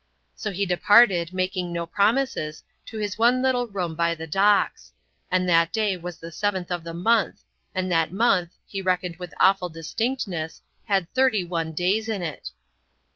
So he departed, making no promises, to his one little room by the Docks. And that day was the seventh of the month, and that month, he reckoned with awful distinctness, had thirty one days in it!